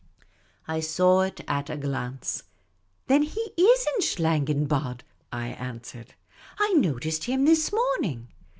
I saw it at a glance. Then he is in Schlangenbad," I answered. " I noticed him this morning."